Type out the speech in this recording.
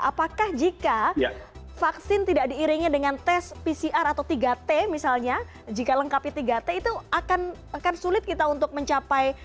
apakah jika vaksin tidak diiringi dengan tes pcr atau tiga t misalnya jika lengkapi tiga t itu akan sulit kita untuk mencapai